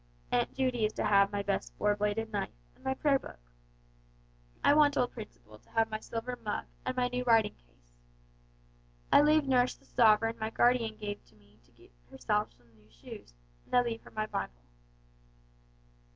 Aunt Judy is to have my best four bladed knife, and my prayer book. I want old Principle to have my silver mug and my new writing case. I leave nurse the sovereign my guardian gave me to get herself some new shoes, and I leave her my Bible."